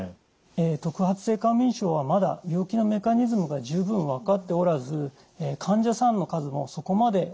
特発性過眠症はまだ病気のメカニズムが十分分かっておらず患者さんの数もそこまで多くありません。